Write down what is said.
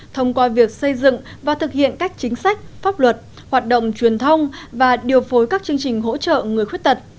thông qua việc xây dựng và thực hiện các chính sách pháp luật hoạt động truyền thông và điều phối các chương trình hỗ trợ người khuyết tật